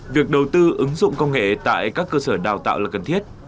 việc đầu tư ứng dụng công nghệ tại các cơ sở đào tạo là cần thiết